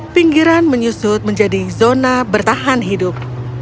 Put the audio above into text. pinggiran menyusut menjadi zona bertahan hidup